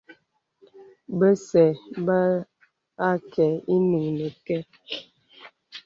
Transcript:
Bə̀zə̄ bə ákə̀ ìnuŋ nəkɛ.